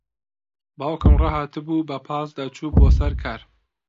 باوکم ڕاھاتبوو بە پاس دەچوو بۆ سەر کار.